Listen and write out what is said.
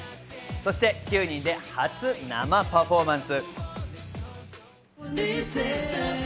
そして９人で初生パフォーマンス。